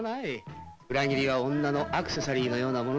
裏切りは女のアクセサリーのようなものさ。